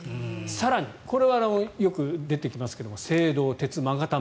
更にこれはよく出てきますけども青銅、鉄、勾玉